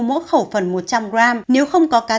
mỗi khẩu phần một trăm linh g nếu không có cá